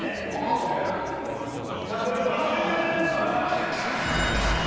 戦慄のピーカブー、２０秒です。